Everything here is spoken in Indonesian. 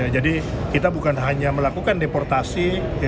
jadi kita bukan hanya melakukan deportasi